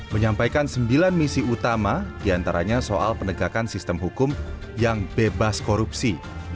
menyampaikan sembilan misi utama diantaranya soal penegakan sistem hukum yang bebas korupsi